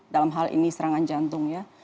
dalam hal ini serangan jantung ya